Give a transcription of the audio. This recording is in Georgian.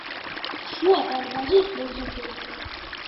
შუა დარბაზი მოზრდილია.